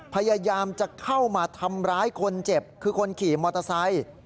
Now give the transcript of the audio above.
พยายามจะเข้ามาทำร้ายคนเจ็บคือคนขี่มอเตอร์ไซค์